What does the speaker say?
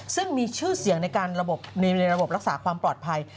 ซึ่งมีชื่อเสียงในการในระบบรักษาความปลอดภัย